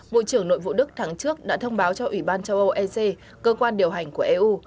bộ trưởng nội vụ đức tháng trước đã thông báo cho ủy ban châu âu ec cơ quan điều hành của eu